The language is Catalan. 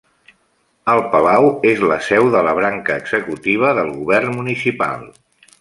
El Palau és la seu de la branca executiva del govern municipal.